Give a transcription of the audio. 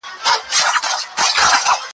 د کلي شنه فصلونه د انسان سترګې مړوي.